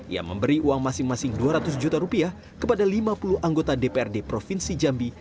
ia memberi uang masing masing dua ratus juta rupiah kepada lima puluh anggota dprd provinsi jambi